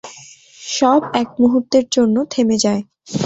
সব একমুহূর্তের জন্যে থেমে যায়।